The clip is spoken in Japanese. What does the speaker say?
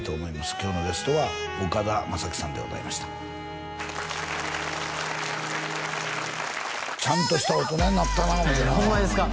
今日のゲストは岡田将生さんでございましたちゃんとした大人になったな思てホンマですか？